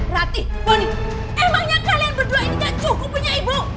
ratih boni emangnya kalian berdua ini kan cukup punya ibu